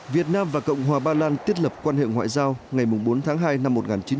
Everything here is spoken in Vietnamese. việt nam và cộng hòa ba lan tiết lập quan hệ ngoại giao ngày bốn tháng hai năm một nghìn chín trăm năm mươi